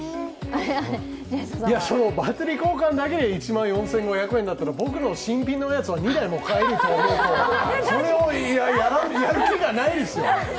バッテリー交換だけで１万４５００円だったら僕の新品のやつは２台、買えるから、それをやる機会がないですよ。